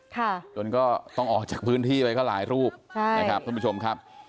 ค่ะจนก็ต้องออกจากพื้นที่ไปก็หลายรูปใช่นะครับท่านผู้ชมครับ